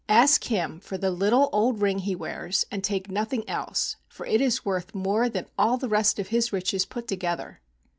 Ask him for the little old ring he wears, and take nothing else, for it is worth more than all the rest of his riches put together."